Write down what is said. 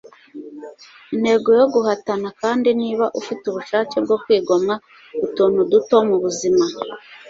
intego yo guhatana kandi niba ufite ubushake bwo kwigomwa utuntu duto mu buzima